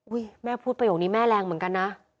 แม่พูดประโยคนี้แม่แรงเหมือนกันนะ